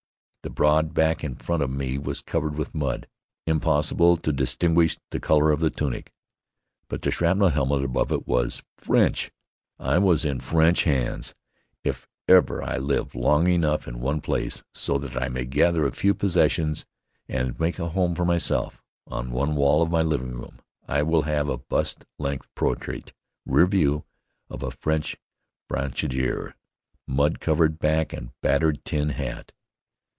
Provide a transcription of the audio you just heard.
The broad back in front of me was covered with mud. Impossible to distinguish the color of the tunic. But the shrapnel helmet above it was French! I was in French hands. If ever I live long enough in one place, so that I may gather a few possessions and make a home for myself, on one wall of my living room I will have a bust length portrait, rear view, of a French brancardier, mud covered back and battered tin hat.